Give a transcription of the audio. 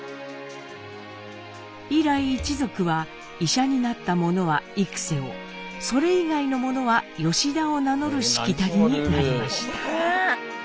以来一族は医者になった者は「幾」をそれ以外の者は「吉田」を名乗るしきたりになりました。